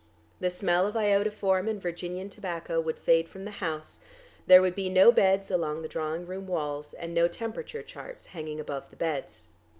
The smell of iodoform and Virginian tobacco would fade from the house; there would be no beds along the drawing room walls, and no temperature charts hanging above the beds.